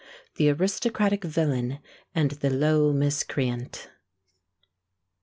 THE ARISTOCRATIC VILLAIN AND THE LOW MISCREANT.